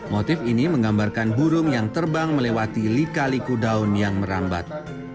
motif ini menggambarkan burung yang terbang melewati lika liku daun yang merambat